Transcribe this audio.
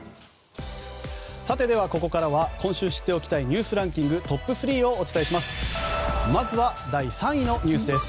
ここからは今週知っておきたいニュースランキングトップ３をお伝えします。